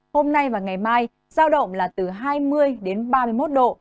hôm nay và ngày mai giao động là từ hai mươi đến ba mươi một độ